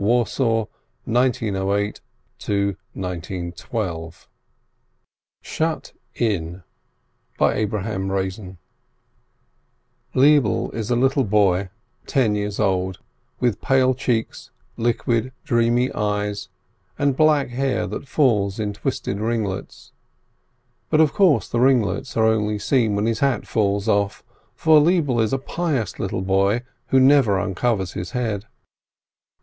Warsaw, 1908 1912. SHUT IN Lebele is a little boy ten years old, with pale cheeks, liquid, dreamy eyes, and black hair that falls in twisted ringlets, but, of course, the ringlets are only seen when his hat falls off, for Lebele is a pious little boy, who never uncovers his head.